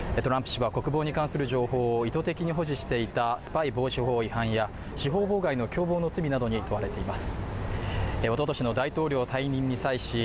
トランプ氏は国防に関する情報を意図的に保持していたスパイ防止法違反や司法妨害の共謀の罪などに問われています。